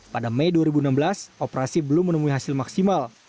pada mei dua ribu enam belas operasi belum menemui hasil maksimal